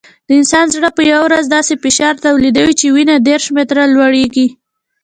د انسان زړه په یوه ورځ داسې فشار تولیدوي چې وینه دېرش متره لوړېږي.